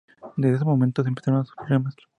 Desde esos momentos, empezaron sus problemas.